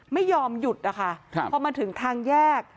ไม่ยอมหยุดนะคะพอมาถึงทางแยก